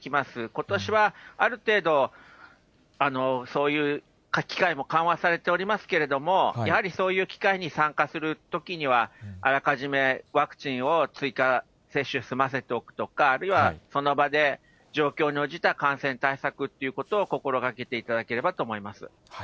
ことしは、ある程度、そういう機会も緩和されていますけれども、やはりそういう機会に参加するときには、あらかじめワクチンを追加接種、済ませておくとか、あるいはその場で状況に応じた感染対策というのを心がけていただきたいと思います。